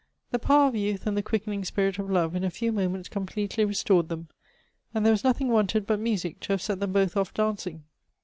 "The power of youth and the quickening spirit of love in a few moments completely restored them ; nnd there was nothing wanted but music to have set them both off dancing.